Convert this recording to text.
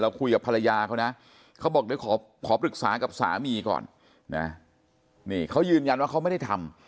คุยกับภรรยาเขานะเขาบอกเดี๋ยวขอปรึกษากับสามีก่อนนะนี่เขายืนยันว่าเขาไม่ได้ทำ